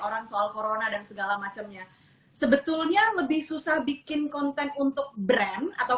orang soal corona dan segala macamnya sebetulnya lebih susah bikin konten untuk brand atau